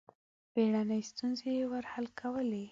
بېړنۍ ستونزې یې ور حل کولې.